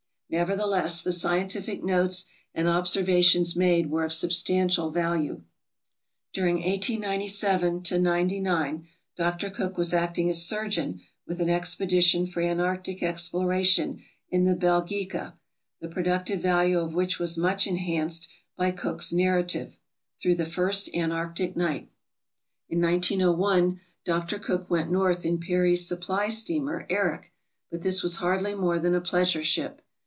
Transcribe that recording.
Never theless, the scientific notes and observations made were of substantial value. During 1897 99 Dr. Cook was acting as surgeon with an expedition for antarctic exploration in the "Belgica," the pro MISCELLANEOUS 471 ductive value of which was much enhanced by Cook's narrative, "Through the First Antarctic Night." In"i90i Dr. Cook went north in Peary's supply steamer "Erik," but this was hardly more than a pleasure trip.